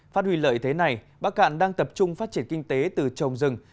phát huy lợi thế này bắc cạn đang tập trung phát triển kinh tế từ trồng rừng